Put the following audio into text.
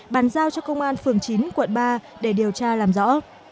bàn giao cho công an phường chín quận ba để điều tra làm rõ